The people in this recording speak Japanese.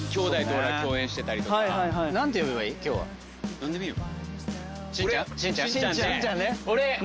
何でもいいよ。